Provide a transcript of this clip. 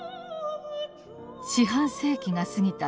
四半世紀が過ぎた